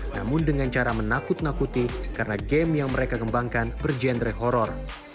namun dengan cara menakut nakuti karena game yang mereka kembangkan berjenre horror